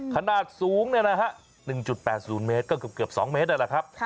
ขนาดสูง๑๘๐เมตรก็เกือบ๒เมตรนั่นแหละครับ